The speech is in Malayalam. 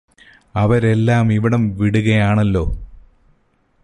അവരെല്ലാം ഇവിടം വിടുകയാണല്ലോ